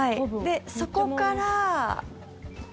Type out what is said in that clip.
で、そこから。